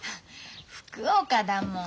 福岡だもん